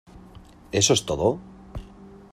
¿ eso es todo?